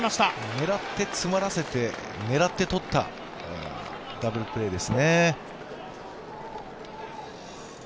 狙って詰まらせて、狙ってとったダブルプレーですね。